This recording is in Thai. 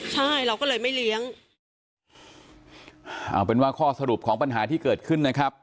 ใช่เราก็เลยไม่เลี้ยงเอาเป็นว่าข้อสรุปของปัญหาที่เกิดขึ้นนะครับ